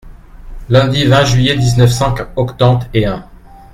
Lundi vingt juillet dix-neuf cent octante et un.